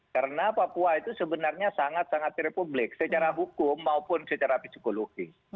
karena papua itu sebenarnya sangat sangat republik secara hukum maupun secara psikologi